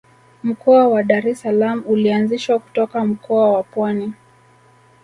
mkoa wa dar es salaam ulianzishwa kutoka mkoa wa pwani